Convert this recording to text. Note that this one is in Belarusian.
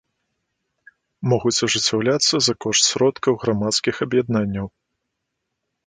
Могуць ажыццяўляцца за кошт сродкаў грамадскіх аб’яднанняў.